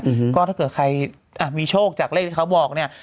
อืมก็ถ้าเกิดใครอ่ะมีโชคจากเลขที่เขาบอกเนี้ย